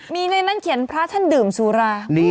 มีในนั้นเขียนพระท่านดื่มสุรา